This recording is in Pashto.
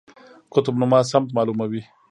قطب نما سمت معلوموي